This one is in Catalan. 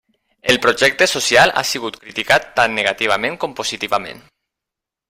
El projecte social ha sigut criticat tant negativament com positivament.